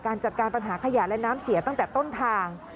จัดการปัญหาขยะและน้ำเสียตั้งแต่ต้นทาง